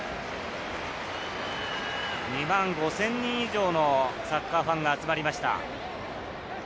２万５０００人以上のサッカーファンが集まりました。